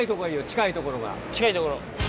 近い所。